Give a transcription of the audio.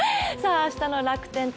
明日の楽天×